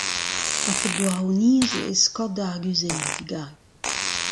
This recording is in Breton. A-fet douaroniezh eo skort da arguzennoù, digarez.